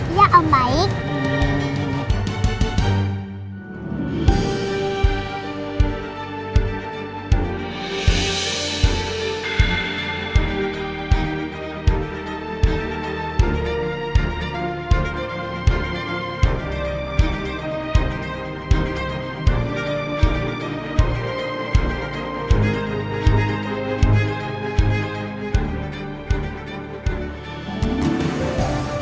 iya om baik